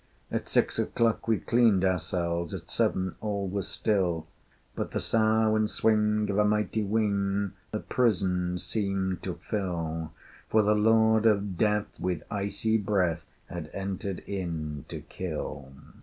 At six o'clock we cleaned our cells, At seven all was still, But the sough and swing of a mighty wing The prison seemed to fill, For the Lord of Death with icy breath Had entered in to kill.